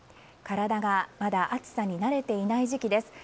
体がまだ暑さに慣れていない時期です。